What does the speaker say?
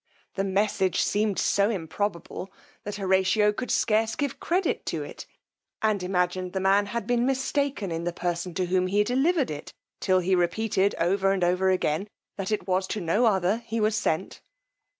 The message seemed so improbable, that Horatio could scarce give credit to it, and imagined the man had been mistaken in the person to whom he delivered it, till he repeated over and over again that it was to no other he was sent.